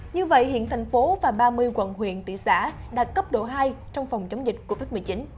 như vậy hiện thành phố và ba mươi quận huyện thị xã đạt cấp độ hai trong phòng chống dịch covid một mươi chín